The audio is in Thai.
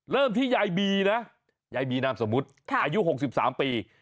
เริ่มที่ยายบีนะยายบีนามสมมุติอายุ๖๓ปี